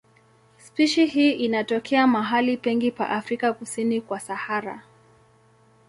Spishi hii inatokea mahali pengi pa Afrika kusini kwa Sahara.